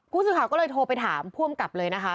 ผู้สื่อข่าวก็เลยโทรไปถามผู้อำกับเลยนะคะ